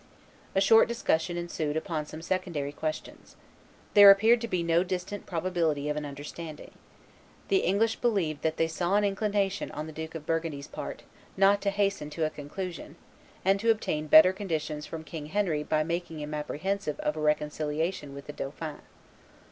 A short discussion ensued upon some secondary questions. There appeared to be no distant probability of an understanding. The English believed that they saw an inclination on the Duke of Burgundy's part not to hasten to a conclusion, and to obtain better conditions from King Henry by making him apprehensive of a reconciliation with the dauphin.